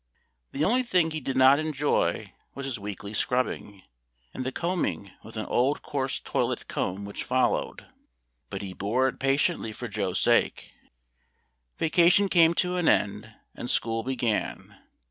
The only thing he did not enjoy was his weekly scrubbing, and the combing with an old coarse toilet comb which followed. But he bore it patiently for Joe's sake. Vacation came to an end, and school began.